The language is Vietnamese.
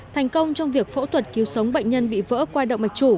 thành công trong việc phẫu thuật cứu sống bệnh nhân bị vỡ qua động mạch chủ